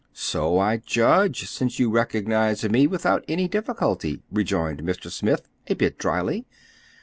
"So I judge, since you recognized me without any difficulty," rejoined Mr. Smith, a bit dryly.